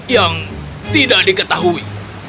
yang tidak diketahui